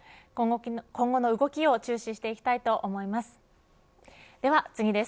今後の動きを注視していきたいと思います。